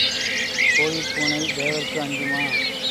கோயிற் பூனை தேவர்க்கு அஞ்சுமா?